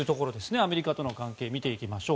アメリカとの関係を見ていきましょう。